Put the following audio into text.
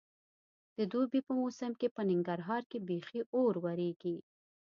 د دوبي په موسم کې په ننګرهار کې بیخي اور ورېږي.